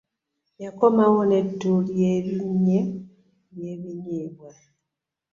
Yakomawo nettu ly'ebinye ly'ebinyeebwa.